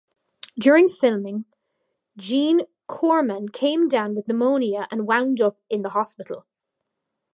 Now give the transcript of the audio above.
During filming, Gene Corman came down with pneumonia and wound up in the hospital.